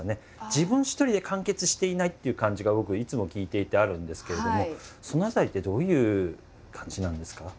自分一人で完結していないっていう感じが僕いつも聴いていてあるんですけれどもその辺りってどういう感じなんですか？